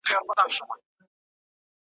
ایا د لیکوال جامې تل قیمتي او ښکلې وې؟